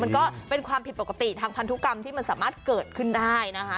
ก็เป็นความผิดปกติทางพันธุกรรมที่มันสามารถเกิดขึ้นได้นะคะ